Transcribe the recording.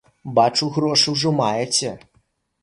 Бачу, грошы ўжо маеце.